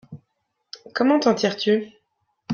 Comment t'en tires-tu ?